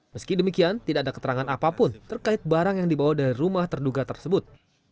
meski demikian tidak ada keterangan apapun terkait barang yang dibawa dari rumah terduga tersebut